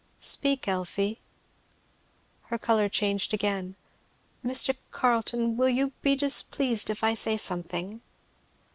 "Speak, Elfie." Her colour changed again. "Mr. Carleton will you be displeased if I say something?"